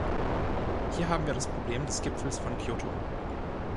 Hier haben wir das Problem des Gipfels von Kyoto.